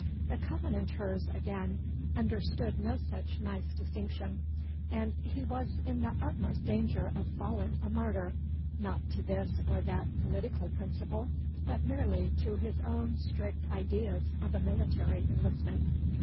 The Covenanters, again, understood no such nice distinction, and he was in the utmost danger of falling a martyr, not to this or that political principle, but merely to his own strict ideas of a military enlistment.